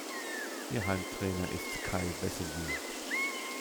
Ihr Heimtrainer ist Kay Vesely.